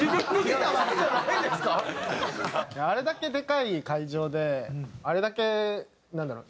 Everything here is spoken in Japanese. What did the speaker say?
あれだけでかい会場であれだけなんだろう？